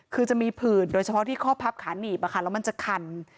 คือจะมีผื่นโดยเฉพาะที่ข้อพับขาหนีบแล้วมันจะคัน